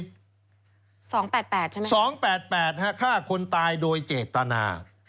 ๒๘๘ใช่ไหม๒๘๘ฆ่าคนตายโดยเจตนา